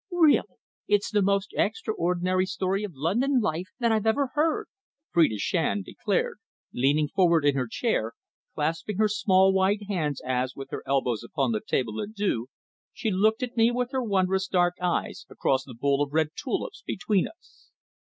"Really, it's the most extraordinary story of London life that I've ever heard," Phrida Shand declared, leaning forward in her chair, clasping her small white hands as, with her elbows upon the table à deux, she looked at me with her wondrous dark eyes across the bowl of red tulips between us.